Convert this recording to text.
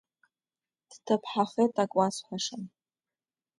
Дҭыԥҳахеит, ак уасҳәашан.